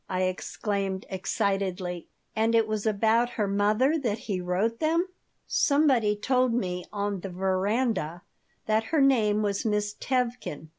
I exclaimed, excitedly. "And it was about her mother that he wrote them! Somebody told me on the veranda that her name was Miss Tevkin.